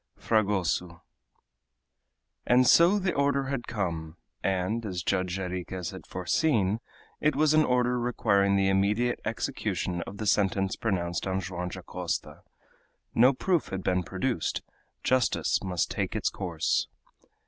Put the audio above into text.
FRAGOSO And so the order had come, and, as Judge Jarriquez had foreseen, it was an order requiring the immediate execution of the sentence pronounced on Joam Dacosta. No proof had been produced; justice must take its course.